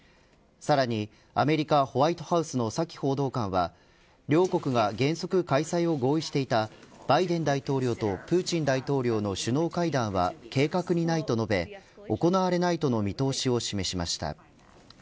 さらに、アメリカホワイトハウスのサキ報道官は両国が、原則開催を合意していたバイデン大統領とプーチン大統領の首脳会談は計画にないと述べ行われないとの見通しを示しました。